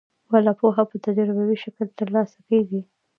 بله پوهه په تجربوي شکل ترلاسه کیږي.